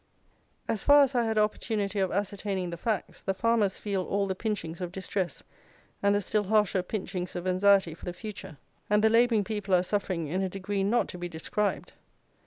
As far as I had an opportunity of ascertaining the facts, the farmers feel all the pinchings of distress, and the still harsher pinchings of anxiety for the future; and the labouring people are suffering in a degree not to be described.